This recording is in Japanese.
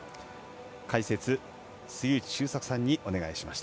解説、杉内周作さんにお願いしました。